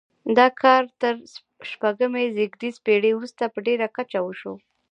دا کار تر شپږمې زېږدیزې پیړۍ وروسته په ډیره کچه وشو.